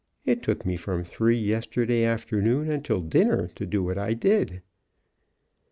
It took me from three yesterday afternoon until after dinner to do what I did).